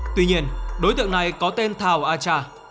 tuy nhiên đối tượng này có tên thảo a tra